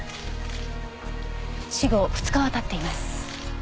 死後２日は経っています。